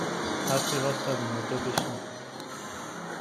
حرف راستو از مرده بشنو